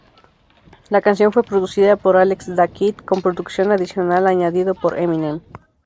La canción fue producida por Alex da Kid con producción adicional añadido por Eminem.